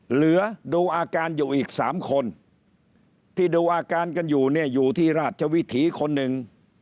เหลือดูอาการอยู่อีก๓คนที่ดูอาการกันอยู่เนี่ยอยู่ที่ราชวิถีคนหนึ่ง